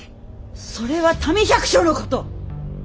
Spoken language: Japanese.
それは民百姓のこと！